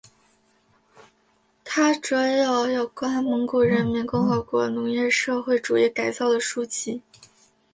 他着有有关蒙古人民共和国农业社会主义改造的书籍。